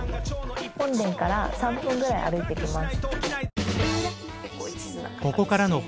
本殿から３分ぐらい歩いていきます。